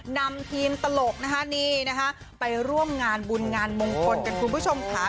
นำทีมตลกนะคะนี่นะคะไปร่วมงานบุญงานมงคลกันคุณผู้ชมค่ะ